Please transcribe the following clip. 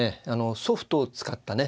ソフトを使ったね